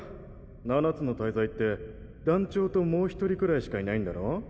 七つの大罪って団長ともう一人くらいしかいないんだろ？